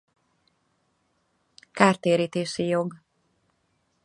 Kártérítési jog.